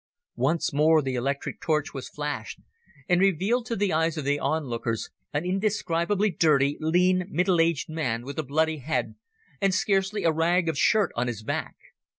Once more the electric torch was flashed, and revealed to the eyes of the onlookers an indescribably dirty, lean, middle aged man with a bloody head, and scarcely a rag of shirt on his back.